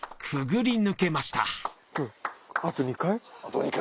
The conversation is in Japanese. あと２回？